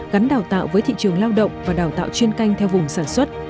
gắn đào tạo với thị trường lao động và đào tạo chuyên canh theo vùng sản xuất